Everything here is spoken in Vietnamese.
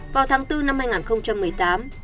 vào tháng bốn năm hai nghìn một mươi tám